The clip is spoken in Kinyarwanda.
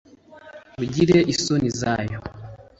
mugire isoni zayo.